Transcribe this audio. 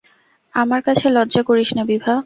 আমার কাছে লজ্জা করিস না বিভা।